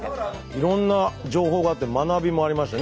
いろんな情報があって学びもありましたね。